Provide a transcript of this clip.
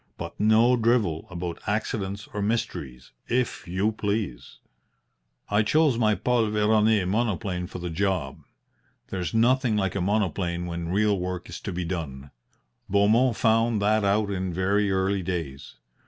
But no drivel about accidents or mysteries, if you please. "I chose my Paul Veroner monoplane for the job. There's nothing like a monoplane when real work is to be done. Beaumont found that out in very early days.